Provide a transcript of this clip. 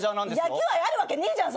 野球愛あるわけねえじゃん